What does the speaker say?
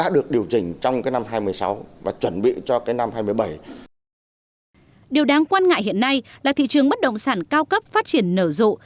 điều đáng quan ngại hiện nay là thị trường bất động sản cao cấp phát triển nở rộ